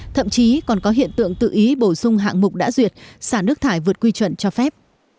thậm chí còn có hiện tượng tự ý bổ sung hạng mục đã duyệt xả nước thải vượt quy chuẩn cho phép